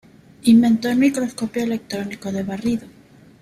Inventó el microscopio electrónico de barrido.